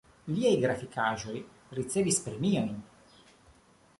Liaj grafikaĵoj ricevis premiojn.